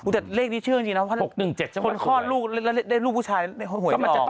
แต่เลขนี้เชื่อจริงนะคนคลอดลูกแล้วได้ลูกผู้ชายหวยออก